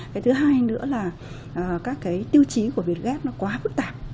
cái thứ hai nữa là các cái tiêu chí của việt gáp nó quá phức tạp